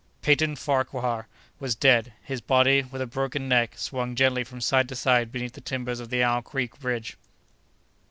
Peyton Farquhar was dead; his body, with a broken neck, swung gently from side to side beneath the timbers of the Owl Creek bridge.